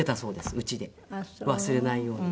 家で忘れないように。